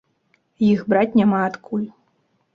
Іх браць няма адкуль.